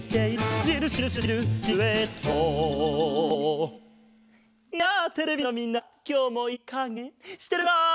「シルシルシルシルシルエット」やあテレビのまえのみんなきょうもいいかげしてるか？